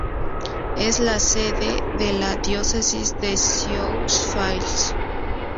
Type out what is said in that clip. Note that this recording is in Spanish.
Es la sede de la Diócesis de Sioux Falls.